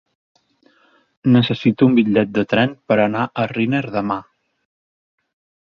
Necessito un bitllet de tren per anar a Riner demà.